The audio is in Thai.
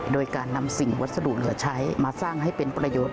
โดยการนำสิ่งวัสดุเหลือใช้มาสร้างให้เป็นประโยชน์